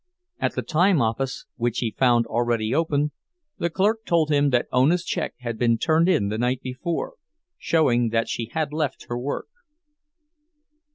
At the time office, which he found already open, the clerk told him that Ona's check had been turned in the night before, showing that she had left her work.